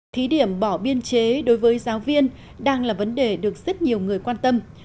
thí điểm bỏ biên chế đối với giáo viên đang là vấn đề được rất nhiều người quan tâm